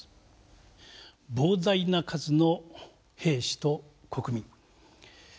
膨大な数の兵士と国民。